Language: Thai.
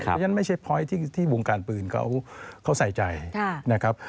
เพราะฉะนั้นไม่ใช่พอยต์ที่วงการปืนเขาใส่ใจนะครับ